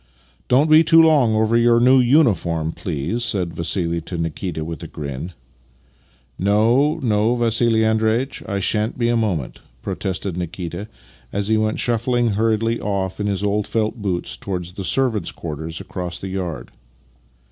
" Don't be too long over your new uniform, please," said VassiH to Nikita with a grin. " No, no, Vassih Andreitch — I shan't be a moment," protested Nikita as he went shufiQing hurriedly off in his old felt boots towards the servants' quarters across the yard.